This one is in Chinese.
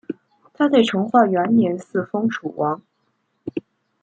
他在成化元年嗣封楚王。